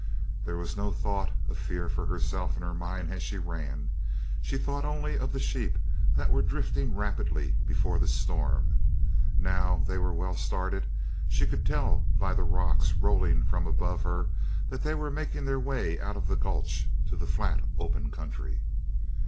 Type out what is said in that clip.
There was no thought or fear for herself in her mind as she ran she thought only of the sheep that were drifting rapidly before the storm, now they were well started, and she could tell by the rocks rolling from above her that they were making their way out of the gulch to the flat open country.